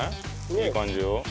いい感じよ。